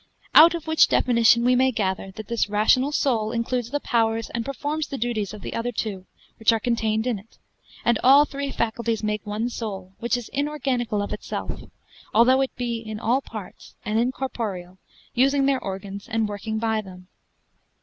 Out of which definition we may gather, that this rational soul includes the powers, and performs the duties of the two other, which are contained in it, and all three faculties make one soul, which is inorganical of itself, although it be in all parts, and incorporeal, using their organs, and working by them.